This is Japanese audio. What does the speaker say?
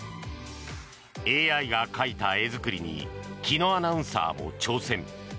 ＡＩが描いた絵作りに紀アナウンサーも挑戦。